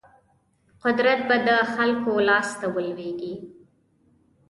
قدرت به د خلکو لاس ته ولویږي.